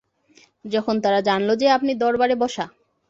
যখন তারা জানল যে, আপনি দরবারে বসা।